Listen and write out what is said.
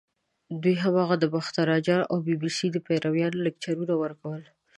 دوی هماغه د باختر اجان او بي بي سۍ د پیریانو لیکچرونه ورکول.